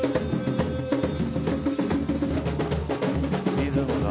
リズムが。